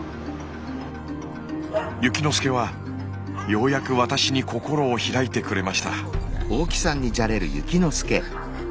ゆきのすけはようやく私に心を開いてくれました。